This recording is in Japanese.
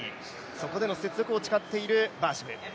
そこでの雪辱を誓っているバーシム。